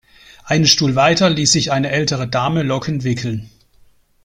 Einen Stuhl weiter ließ sich eine ältere Dame Locken wickeln.